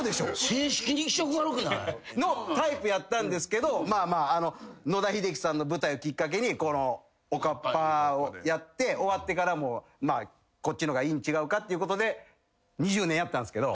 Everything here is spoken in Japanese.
正式に気色悪くない？のタイプやったんですけど野田秀樹さんの舞台をきっかけにおかっぱをやって終わってからもこっちの方がいいん違うかっていうことで２０年やったんすけど。